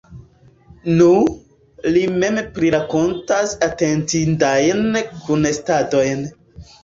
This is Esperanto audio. Nu, li mem prirakontas atentindajn kunestadojn.